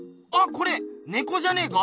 これねこじゃねえか？